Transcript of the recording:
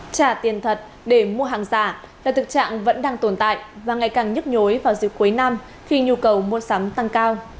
trả tiền thật để mua hàng giả là thực trạng vẫn đang tồn tại và ngày càng nhức nhối vào dịp cuối năm khi nhu cầu mua sắm tăng cao